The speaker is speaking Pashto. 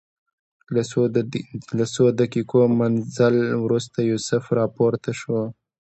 له څو دقیقو مزل وروسته یوسف راپورته شو.